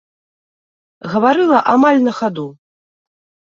Гаварыла амаль на хаду.